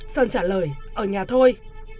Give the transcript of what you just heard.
sơn trả lời ở nhà thôi